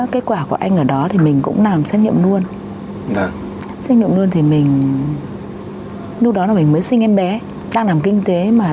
cháu có thể kể lại một chút